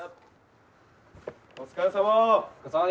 お疲れさま。